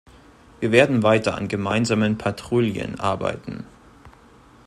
Wir werden weiter an gemeinsamen Patrouillen arbeiten.